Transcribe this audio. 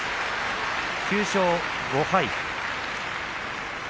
９勝５敗。